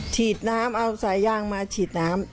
ฉีดน้ำเอาสายยางมาฉีดน้ำ